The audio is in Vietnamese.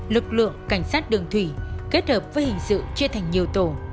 lực lượng cảnh sát đường thủy kết hợp với hình sự chia thành nhiều tổ